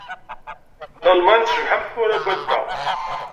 Lalman tecbeḥ am Tmura n Wadda?